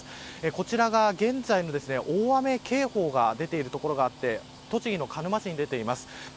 こちらが現在、大雨警報が出ている所があって栃木の鹿沼市に出ています。